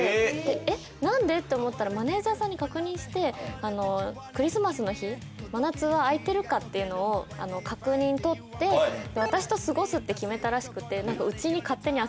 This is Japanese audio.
えっ何で？と思ったらマネージャーさんに確認してあのクリスマスの日真夏は空いてるかっていうのを確認取って私と過ごすって決めたらしくて何かうちに勝手に遊びに来るらしいです。